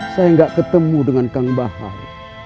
saya gak ketemu dengan kang bahar